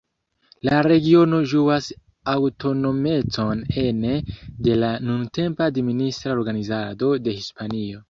La regiono ĝuas aŭtonomecon ene de la nuntempa administra organizado de Hispanio.